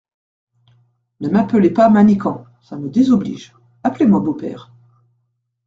Ne m’appelez pas Manicamp… ça me désoblige… appelez-moi beau-père…